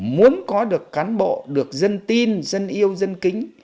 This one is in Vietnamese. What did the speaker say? muốn có được cán bộ được dân tin dân yêu dân kính